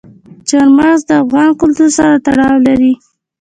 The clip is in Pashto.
چار مغز د افغان کلتور سره تړاو لري.